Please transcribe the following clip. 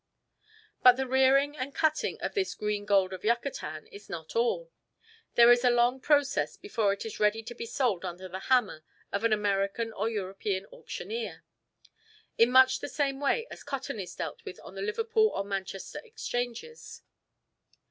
But the rearing and cutting of this "green gold of Yucatan" is not all. There is a long process before it is ready to be sold under the hammer of an American or European auctioneer, in much the same way as cotton is dealt with on the Liverpool or Manchester Exchanges.